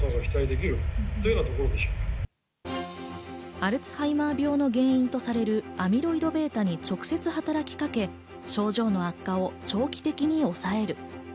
アルツハイマー病の原因とされるアミロイドβに直接働きかけ症状の悪化を長期的に抑える。